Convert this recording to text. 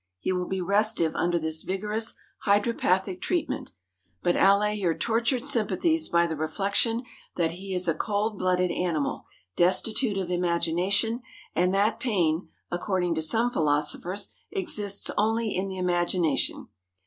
He will be restive under this vigorous hydropathic treatment; but allay your tortured sympathies by the reflection that he is a cold blooded animal, destitute of imagination, and that pain, according to some philosophers, exists only in the imagination.